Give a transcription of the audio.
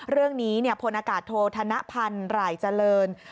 เรื่องนี้พอโธธนพันธ์หลายเจริญ